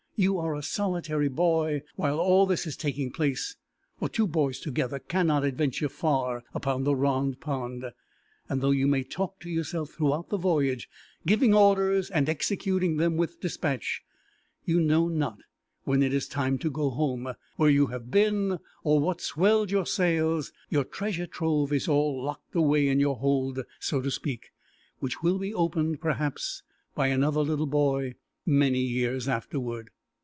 You are a solitary boy while all this is taking place, for two boys together cannot adventure far upon the Round Pond, and though you may talk to yourself throughout the voyage, giving orders and executing them with dispatch, you know not, when it is time to go home, where you have been or what swelled your sails; your treasure trove is all locked away in your hold, so to speak, which will be opened, perhaps, by another little boy many years afterward.